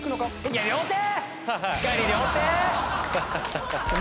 「いや両手！」